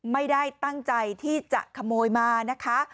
ไม่ได้ตั้งใจที่จะขโมยมานะคะ